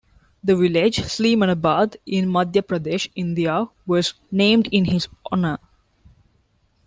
The village Sleemanabad in Madhya Pradesh, India was named in his honour.